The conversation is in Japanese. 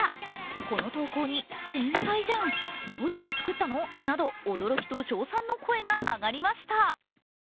この投稿に天才じゃん、どうやって作ったの？など驚きと称賛の声が上がりました。